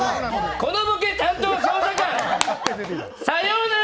このボケ担当捜査官、さようなら！